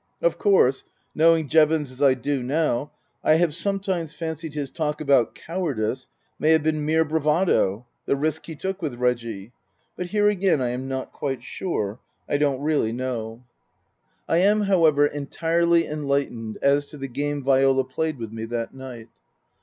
Of course, knowing Jevons as I do now I have some times fancied his talk about cowardice may have been mere bravado, the risk he took with Reggie. But here again I am not quite sure. I don't really know. 46 Tasker Jevons I am, however, entirely enlightened as to the game Viola played with me that night.